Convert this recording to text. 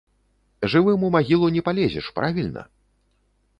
Жывым у магілу не палезеш, правільна?